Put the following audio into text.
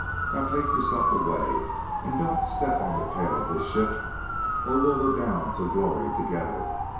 Now take yourself away, and don't step on the tail of this ship or we'll go down to glory together!